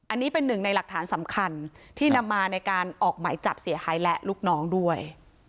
อันนี้เป็นหนึ่งในหลักฐานสำคัญที่นำมาในการออกหมายจับเสียหายและลูกน้องด้วย